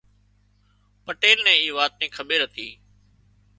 پٽيل نين اي وات ني کٻير هتي